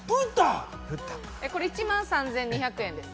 これ１万３２００円です。